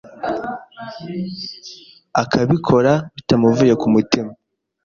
akabikora bitamuvuye ku mutima,